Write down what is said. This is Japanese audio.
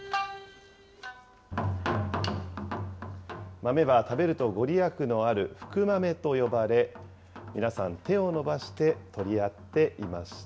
豆は食べると御利益のある福豆と呼ばれ、皆さん、手を伸ばして取り合っていました。